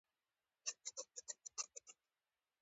په صمد باندې څه شوي ؟